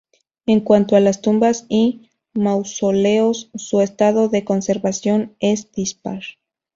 En cuanto a las tumbas y mausoleos, su estado de conservación es dispar.